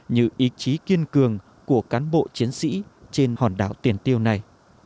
như ý chí kiên cường của cán bộ chiến sĩ trên hòn đảo tiền tiêu này